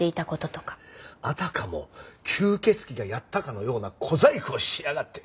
あたかも吸血鬼がやったかのような小細工をしやがって。